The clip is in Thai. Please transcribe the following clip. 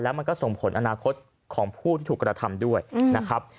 มันก็ส่งผลอนาคตของผู้ที่ถูกกระทำด้วยนะครับ